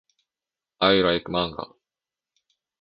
I like manga.